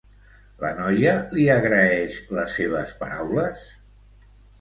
La noia li agraeix les seves paraules?